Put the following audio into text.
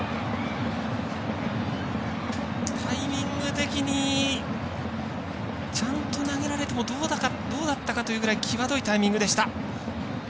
タイミング的にちゃんと投げられてもどうだったかというぐらい際どいタイミングでした。